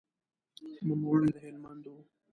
نوموړی د هلمند و.